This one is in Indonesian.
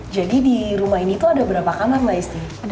jadi di rumah ini tuh ada berapa kamar mbak isti